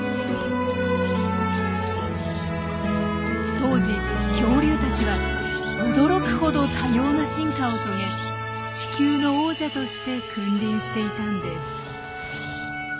当時恐竜たちは驚くほど多様な進化を遂げ地球の王者として君臨していたんです。